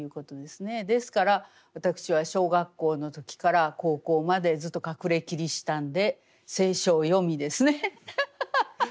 ですから私は小学校の時から高校までずっと隠れキリシタンで聖書を読みですねハハハハ。